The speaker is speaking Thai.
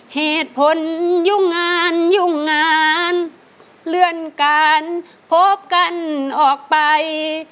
เหตุผลยุ่งงานยุ่งงานเลื่อนการพบกันออกไป